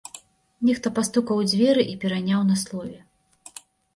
Нехта пастукаў у дзверы і пераняў на слове.